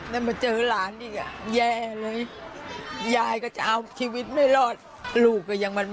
แล้วมาเจอหลานอีกอ่ะแย่เลยยายก็จะเอาชีวิตไม่รอดลูกก็ยังมัน